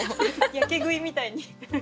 やけ食いみたいに。